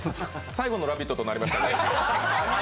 最後の「ラヴィット！」となりましたね。